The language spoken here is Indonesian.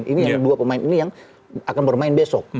ini yang dua pemain ini yang akan bermain besok